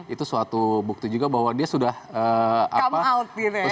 itu suatu bukti juga bahwa dia sudah come out